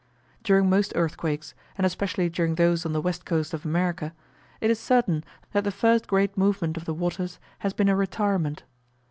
During most earthquakes, and especially during those on the west coast of America, it is certain that the first great movement of the waters has been a retirement.